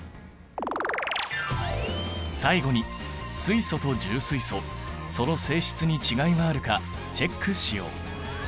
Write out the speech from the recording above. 最後に水素と重水素その性質に違いはあるかチェックしよう！